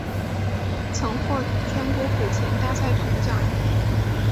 曾获全国古琴大赛铜奖。